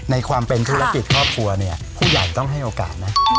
ในความเป็นธุรกิจครอบครัวเนี่ยผู้ใหญ่ต้องให้โอกาสนะ